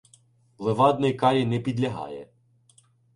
Левадний карі не підлягає.